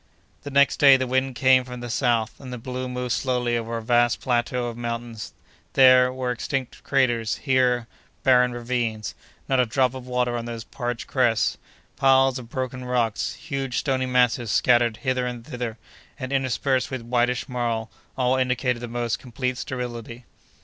The next day the wind came from the south, and the balloon moved slowly over a vast plateau of mountains: there, were extinct craters; here, barren ravines; not a drop of water on those parched crests; piles of broken rocks; huge stony masses scattered hither and thither, and, interspersed with whitish marl, all indicated the most complete sterility.